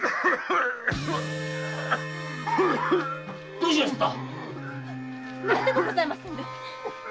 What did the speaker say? どうしなすった⁉何でもございません！